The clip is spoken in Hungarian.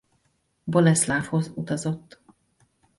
Boleszlávhoz utazott.